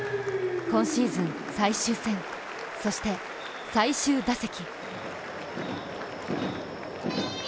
今シーズン最終戦、そして最終打席。